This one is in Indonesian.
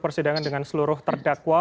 persidangan dengan seluruh terdakwa